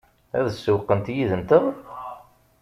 Ad sewwqent yid-nteɣ?